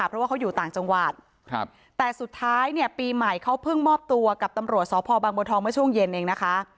เพราะว่าเขาอยู่ต่างจังหวัดแต่สุดท้ายเนี่ยปีใหม่เขาเพิ่งมอบตัวกับตำรวจสพบางบัวทองเมื่อช่วงเย็นเองนะคะ